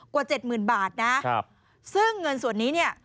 กว่า๗หมื่นบาทนะซึ่งเงินส่วนนี้เนี่ย